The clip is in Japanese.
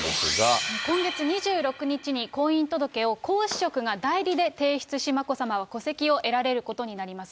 今月２６日に、婚姻届を皇嗣職が代理で提出し、眞子さまは戸籍を得られることになります。